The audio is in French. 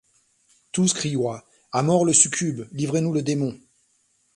Tous crioyent: « A mort le succube! — Livrez-nous le démon !